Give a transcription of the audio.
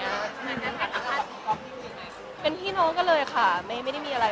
อันนั้นค่ะคุณค่ะเป็นพี่น้องก็เลยค่ะไม่ได้มีอะไร